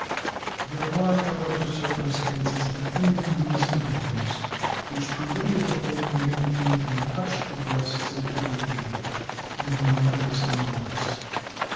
There are, however, circumstances attending these interviews which pervaded the whole community and touched the breasts of every age, even the youngest among us.